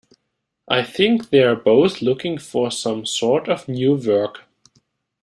I think they're both looking for some sort of new work.